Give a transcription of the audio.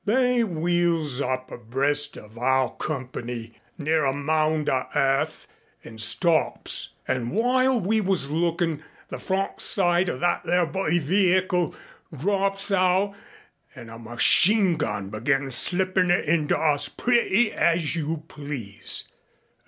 They wheels up abreast of our comp'ny near a mound o' earth and stops, an' while we was lookin' the front side of that there b y vee Hicle drops out an' a machine gun begins slippin' it into us pretty as you please.